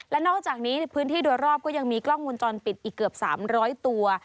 และนอกจากนี้ในพื้นที่โดยรอบก็ยังมีกล้องวงจรปิดอีกเกือบ๓๐๐ตัว